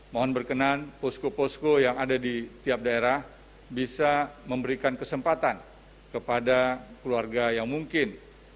mohon berkenan posko posko yang ada di tiap daerah bisa memberikan kesempatan kepada keluarga yang mungkin